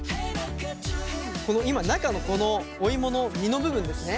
今中のこのお芋の身の部分ですね